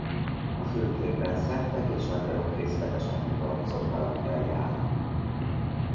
A fülkékben szentek és angyalok részletesen kidolgozott alakjai állnak.